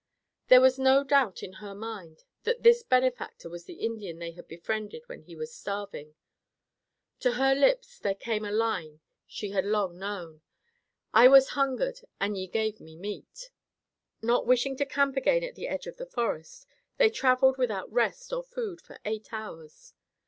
There was no doubt in her mind that this benefactor was the Indian they had befriended when he was starving. To her lips there came a line she had long known, "I was an hungered, and ye gave me meat." Not wishing to camp again at the edge of the forest, they traveled without rest or food for eight hours.